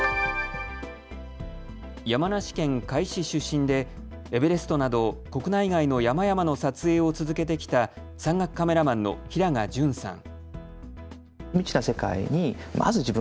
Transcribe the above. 山梨県甲斐市出身でエベレストなど国内外の山々の撮影を続けてきた山岳カメラマンの平賀淳さん。